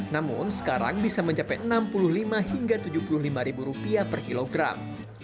namun sekarang bisa mencapai enam puluh lima hingga tujuh puluh lima ribu rupiah per kilogram